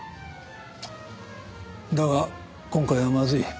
だが今回はまずい。